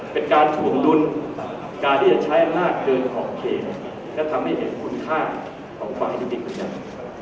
เป็นการถวงรุนการที่จะใช้มากเกินออกเพลงและทำให้เห็นคุณค่าของฝ่ายที่ดีของฉัน